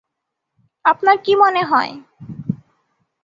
আপনার কি মনে হয়?